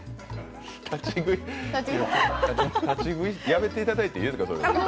やめていただいていいですか。